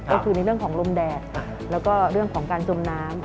ก็คือในเรื่องของลมแดดแล้วก็เรื่องของการจมน้ำ